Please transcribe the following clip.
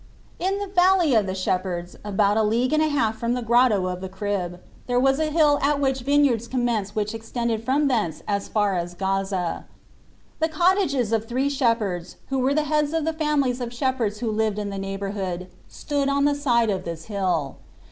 In the Valley of the Shepherds, about a league and a half from the Grotto of the Crib, there was a hill at which vineyards commenced which extended from thence as far as Gaza. The cottages of three shep herds, who were the heads of the families of shepherds who lived in the neighbour hood, stood on the side of this hill.